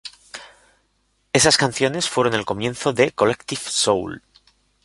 Esas canciones fueron el comienzo de Collective Soul.